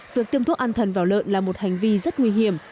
việc tiêm thuốc an thần vào lợn là một hành vi rất nguy hiểm